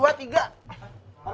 perlu dong perlu dong